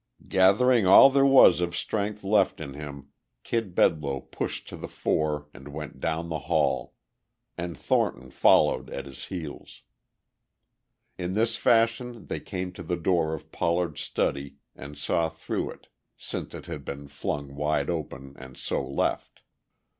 Gathering all there was of strength left in him Kid Bedloe pushed to the fore and went down the hall; and Thornton followed at his heels. In this fashion they came to the door of Pollard's study and saw through it, since it had been flung wide open and so left.